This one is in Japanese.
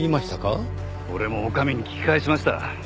俺も女将に聞き返しました。